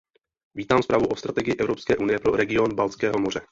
Vítám zprávu o strategii Evropské unie pro region Baltského moře.